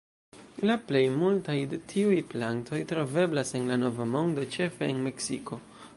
La plej multaj de tiuj plantoj troveblas en la Nova Mondo, ĉefe en Meksiko.